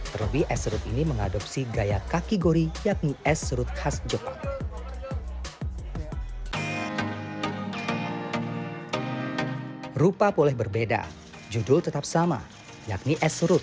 terlebih esrut ini mengadopsi gaya kakigori